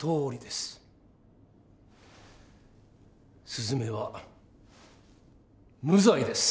すずめは無罪です！